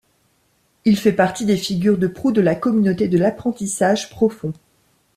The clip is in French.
Il fait partie des figures de proue de la communauté de l'apprentissage profond.